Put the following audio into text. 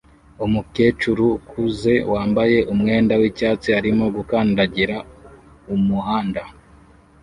Umukecuru ukuze wambaye umwenda w'icyatsi arimo gukandagira umuhanda